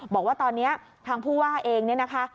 บอกว่าตอนนี้ทางผู้ว่าเองเนี่ยนะคะ